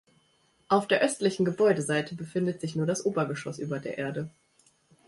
Auf der östlichen Gebäudeseite befindet sich nur das Obergeschoß über der Erde.